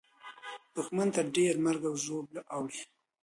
دښمن ته ډېره مرګ او ژوبله اوړي.